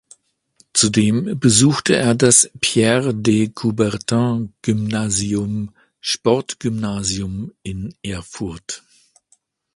Zudem besuchte er das Pierre-de-Coubertin-Gymnasium Sportgymnasium in Erfurt.